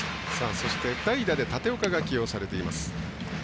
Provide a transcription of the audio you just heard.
そして代打で立岡が起用されています。